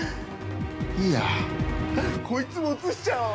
いいや、こいつも映しちゃおう。